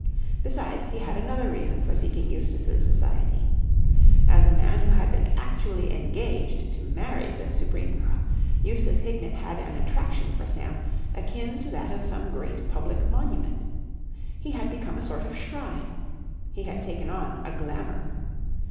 Besides, he had another reason for seeking Eustace's society. As a man who had been actually engaged to marry this supreme girl, Eustace Hignett had an attraction for Sam akin to that of some great public monument. He had become a sort of shrine. He had taken on a glamour.